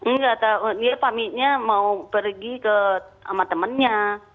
nggak tahu dia pamitnya mau pergi ke sama temannya